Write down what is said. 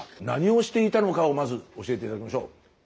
何をしていたのかをまず教えて頂きましょう。